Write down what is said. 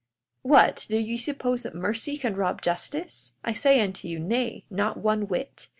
42:25 What, do ye suppose that mercy can rob justice? I say unto you, Nay; not one whit.